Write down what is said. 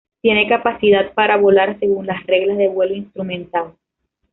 Tiene capacidad para volar según las reglas de vuelo instrumental.